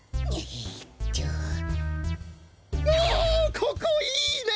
ここいいね！